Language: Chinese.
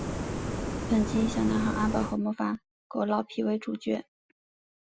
本集以小男孩阿宝和魔法狗老皮为主角。